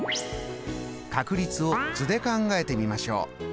確率を図で考えてみましょう。